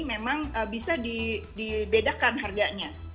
memang bisa dibedakan harganya